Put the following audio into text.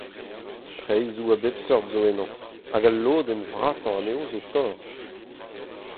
Traezoù a bep seurt zo ennañ hag al lodenn vrasañ anezho zo torr.